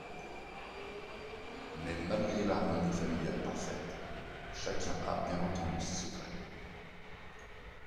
Mais malgré l'harmonie familiale parfaite, chacun a bien entendu ses secrets.